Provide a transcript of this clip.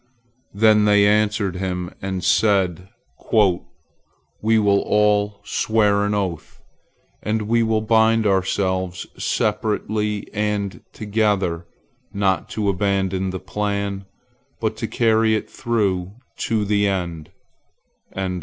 Then they answered him, and said: "We will all swear an oath, and we will bind ourselves, separately and together, not to abandon the plan, but to carry it through to the end."